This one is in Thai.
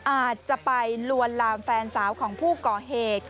อาจจะไปลวนลามแฟนสาวของผู้ก่อเหตุ